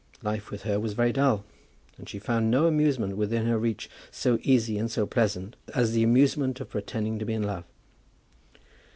Life with her was very dull, and she found no amusement within her reach so easy and so pleasant as the amusement of pretending to be in love.